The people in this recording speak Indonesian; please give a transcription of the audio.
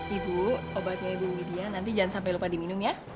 ibu obatnya ibu media nanti jangan sampai lupa diminum ya